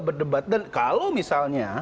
berdebat dan kalau misalnya